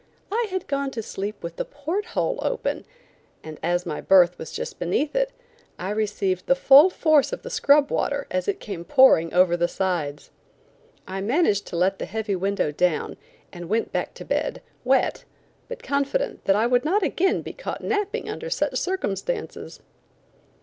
I had gone to sleep with the port hole open, and as my berth was just beneath it, I received the full force of the scrub water as it came pouring over the sides. I managed to let the heavy window down and went back to bed, wet, but confident that I would not again be caught napping under such circumstances.